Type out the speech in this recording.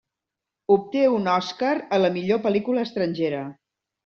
Obté un Òscar a la millor pel·lícula estrangera.